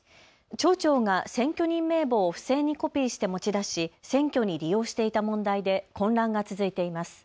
町長が選挙人名簿を不正にコピーして持ち出し選挙に利用していた問題で混乱が続いています。